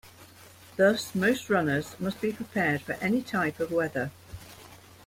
Thus most runners must be prepared for any type of weather.